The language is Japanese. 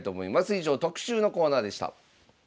以上特集のコーナーでした。